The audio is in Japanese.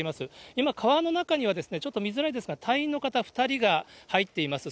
今、川の中にはですね、ちょっと見づらいですが、隊員の方２人が入っています。